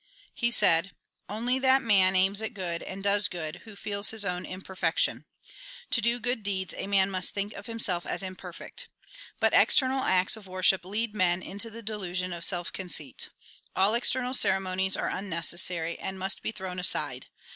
He said :" Only that man aims at good, and does good, who feels his own imperfection. To do good deeds, a man must think of himself as imperfect. But external acts of worship lead men into the delusion of self con ceit. All external ceremonies are unnecessary, and must be thrown aside.